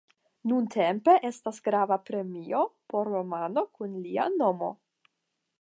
Nuntempe estas grava premio por romano kun lia nomo.